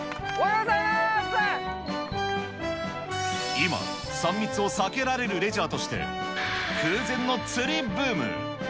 今、３密を避けられるレジャーとして、空前の釣りブーム。